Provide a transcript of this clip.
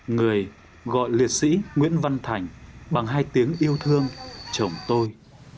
người gọi liệt sĩ nguyễn văn thành bằng hai tiếng yêu thương chồng tôi